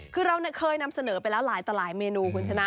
คือเราเคยนำเสนอไปแล้วหลายต่อหลายเมนูคุณชนะ